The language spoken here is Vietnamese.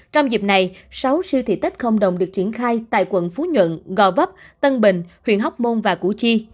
trong dịp này sáu siêu thị tết không đồng được triển khai tại quận phú nhuận gò vấp tân bình huyện hóc môn và củ chi